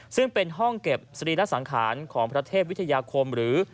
ซึ่งเป็นห้องเก็บสรีระสังขารของพระเทพวิทยาคมหรือ